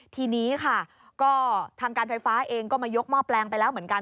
ทีนี้ค่ะก็ทางการไฟฟ้าเองก็มายกหม้อแปลงไปแล้วเหมือนกัน